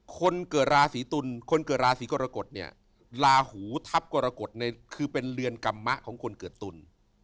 คนเกิดราศีตุลคนเกิดราศีกรกฎเนี่ยลาหูทัพกรกฎเนี่ยคือเป็นเรือนกรรมมะของคนเกิดตุล